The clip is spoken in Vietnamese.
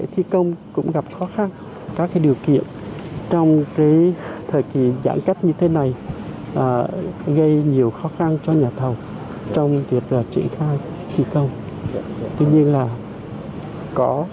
tuy nhiên là có